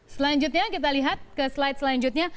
selanjutnya kita lihat ke slide selanjutnya